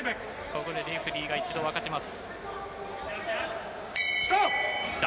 ここでレフェリーが一度分けます。